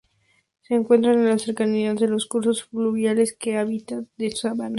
Se encuentran en las cercanías de los cursos fluviales en hábitat de sabana.